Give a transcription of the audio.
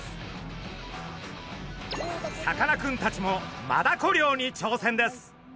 さかなクンたちもマダコ漁にちょうせんです。